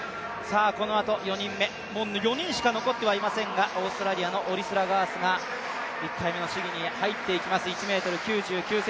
このあと４人目、もう４人しか残っていませんがオーストラリアのオリスラガースが１回目の試技に入っていきます。